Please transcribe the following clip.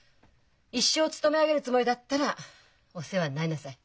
一生勤め上げるつもりだったらお世話になりなさい。